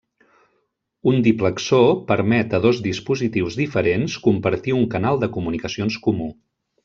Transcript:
Un diplexor permet a dos dispositius diferents compartir un canal de comunicacions comú.